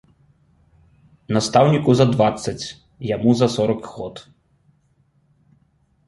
Настаўніку за дваццаць, яму за сорак год.